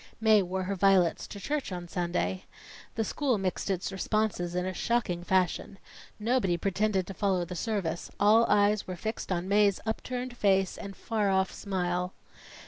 Mae wore her violets to church on Sunday. The school mixed its responses in a shocking fashion nobody pretended to follow the service; all eyes were fixed on Mae's upturned face and far off smile.